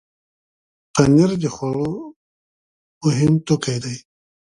پنېر د خوړو مهم توکی دی.